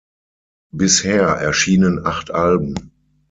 Bisher erschienen acht Alben.